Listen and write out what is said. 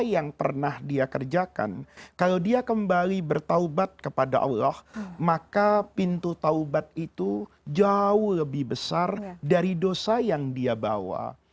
yang pernah dia kerjakan kalau dia kembali bertaubat kepada allah maka pintu taubat itu jauh lebih besar dari dosa yang dia bawa